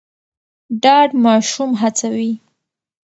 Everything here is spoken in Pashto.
ډاډ ماشوم هڅوي.